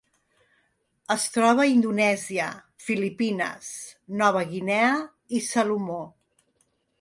Es troba a Indonèsia, Filipines, Nova Guinea i Salomó.